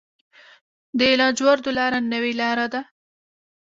د لاجوردو لاره نوې لاره ده